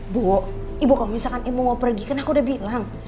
bu ibu kalau misalkan ibu mau pergi kan aku udah bilang